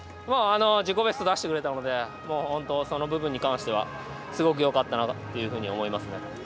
自己ベストを出してくれたので本当、その部分に関してはすごくよかったなというふうに思いますね。